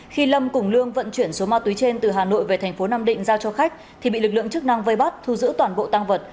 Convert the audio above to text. khi lâm cùng lương vận chuyển số ma túy trên từ hà nội về thành phố nam định giao cho khách thì bị lực lượng chức năng vây bắt thu giữ toàn bộ tăng vật